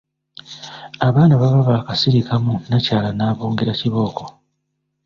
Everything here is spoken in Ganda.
Abaana baba baakasirikamu nnakyala n’abongera kibooko.